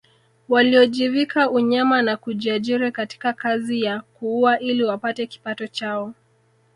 Waliojivika unyama na kujiajiri katika kazi ya kuua ili wapate kipato chao